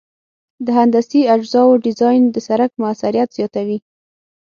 د هندسي اجزاوو ډیزاین د سرک موثریت زیاتوي